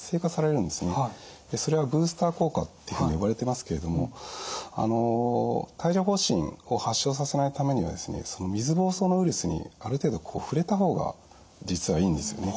でそれはブースター効果っていうふうに呼ばれてますけれども帯状ほう疹を発症させないためにはですねその水ぼうそうのウイルスにある程度触れた方が実はいいんですよね。